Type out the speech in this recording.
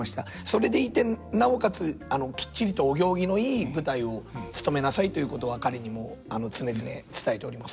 それでいてなおかつきっちりとお行儀のいい舞台をつとめなさいということは彼にも常々伝えております。